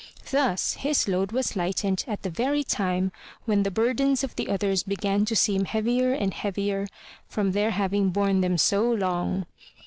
Thus his load was lightened at the very time when the burdens of the others began to seem heavier and heavier from their having borne them so long.